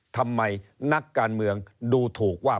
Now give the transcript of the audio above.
ทำไมนักการเมืองดูถูกว่า